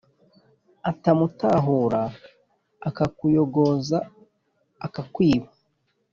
utamutahura, akakuyogoza akakwiba